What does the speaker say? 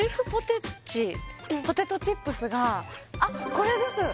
ポテトチップスがあっこれです